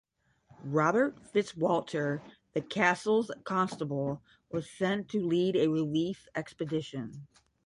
Robert FitzWalter, the castle's constable, was sent to lead a relief expedition.